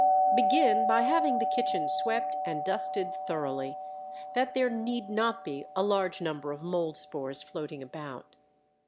Begin by having the kitchen swept and dusted thoroughly, that there need not be a large number of mold spores floating about.